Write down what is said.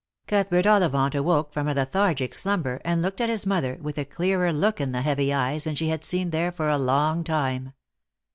Cuthbert Ollivant awoke from a lethargic slumber, and looked at his mother, with a clearer look in the heavy eyes than she had seen there for a long time.